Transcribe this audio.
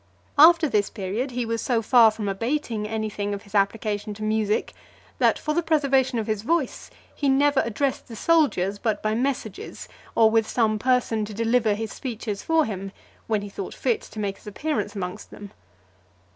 After this period, he was so far from abating any thing of his application to music, that, for the preservation of his voice, he never addressed the soldiers but by messages, or with some person to deliver his speeches for him, when he thought fit to make his appearance amongst them.